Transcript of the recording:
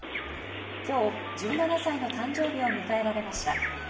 今日、１７歳の誕生日を迎えられました。